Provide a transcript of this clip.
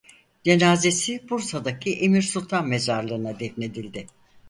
Cenazesi Bursa'daki Emir Sultan Mezarlığı'na defnedildi.